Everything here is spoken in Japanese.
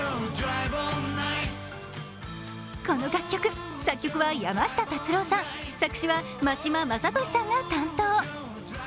この楽曲、作曲は山下達郎さん、作詞は真島昌利さんが担当。